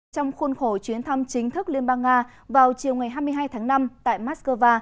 trong khuôn khổ chuyến thăm chính thức liên bang nga vào chiều ngày hai mươi hai tháng năm tại moscow